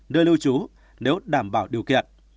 nơi lưu trú nếu đảm bảo điều kiện